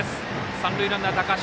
三塁ランナー、高橋